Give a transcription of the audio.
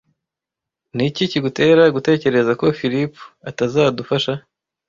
Niki kigutera gutekereza ko Philip atazadufasha?